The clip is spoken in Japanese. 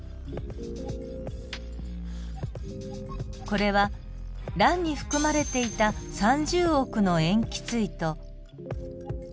これは卵に含まれていた３０億の塩基対と。